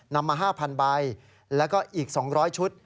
นำมา๕๐๐ใบแล้วก็อีก๒๐๐ชุด